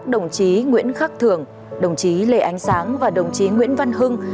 đồng chí nguyễn khắc thường đồng chí lê ánh sáng và đồng chí nguyễn văn hưng